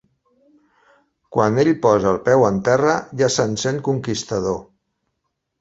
Quan ell posa el peu en terra, ja se'n sent conquistador.